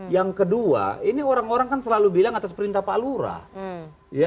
yang kedua ini orang orang kan selalu bilang atas perintah pak lurah